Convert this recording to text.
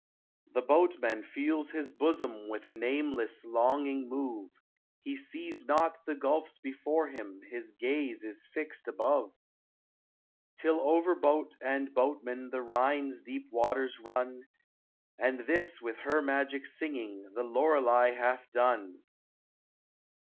The boatman feels his bosom With a nameless longing move ; He sees not the gulfs before him, His gaze is fixed above, Till over boat and boatman The Rhine's deep waters run ; And this with her magic singing The Lore Lei hath done